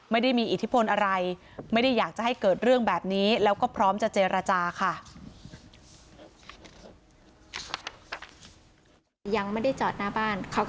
ไม่ได้มีอิทธิพลอะไรไม่ได้อยากจะให้เกิดเรื่องแบบนี้แล้วก็พร้อมจะเจรจาค่ะ